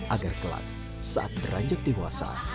agar kelak saat beranjak dewasa